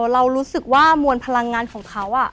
เรารู้สึกว่ามวลพลังงานของเขา